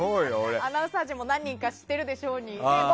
アナウンサー陣も何人か知ってるでしょうに。